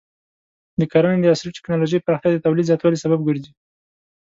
د کرنې د عصري ټکنالوژۍ پراختیا د تولید زیاتوالي سبب ګرځي.